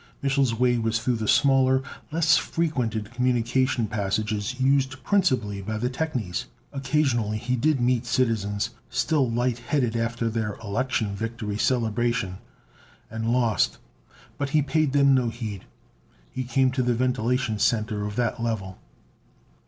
Mich'l's way was through the smaller, less frequented communication passages used principally by the technies. Occasionally he did meet citizens, still light headed after their election victory celebration, and lost, but he paid them no heed. He came to the ventilation center of that level.